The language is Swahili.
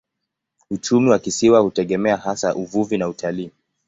Uchumi wa kisiwa hutegemea hasa uvuvi na utalii.